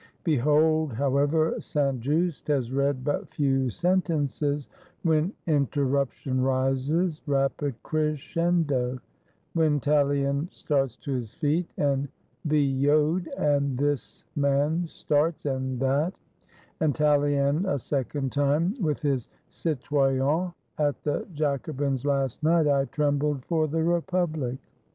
Behold, however, Saint Just has read but few sentences, when interruption rises, rapid crescendo; when Tallien starts to his feet, and Billaud and this man starts, and that, — and Tallien, a second time, with his: "Citoyens, at the Jacobins last night, I trembled for the RepubHc.